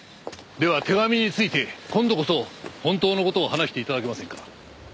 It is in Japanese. では手紙について今度こそ本当の事を話して頂けませんか？